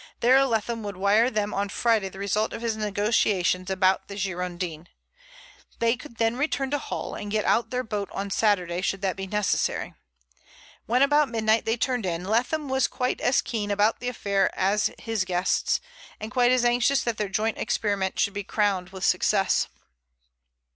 There Leatham would wire them on Friday the result of his negotiations about the Girondin. They could then return to Hull and get out their boat on Saturday should that be necessary. When about midnight they turned in, Leatham was quite as keen about the affair as his guests, and quite as anxious that their joint experiment should be crowned with success.